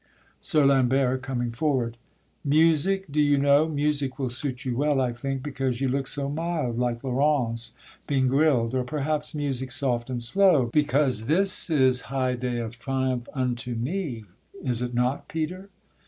SIR LAMBERT, coming forward. Music, do you know, Music will suit you well, I think, because You look so mild, like Laurence being grill'd; Or perhaps music soft and slow, because This is high day of triumph unto me, Is it not, Peter?